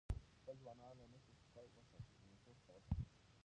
خپل ځوانان له نشو څخه وساتئ.